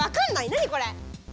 何これ？